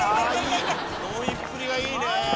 飲みっぷりがいいね。